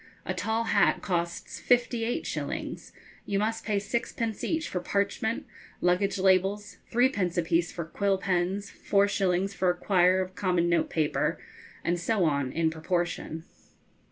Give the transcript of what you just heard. a tall hat costs fifty eight shillings, you must pay sixpence each for parchment luggage labels, threepence apiece for quill pens, four shillings for a quire of common notepaper, and so on in proportion.